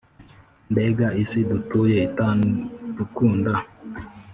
mbega isi dutuye itadukunda!